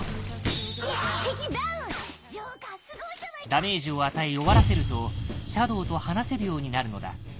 ダメージを与え弱らせるとシャドウと話せるようになるのだ。